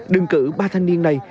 đường cử ba thanh niên này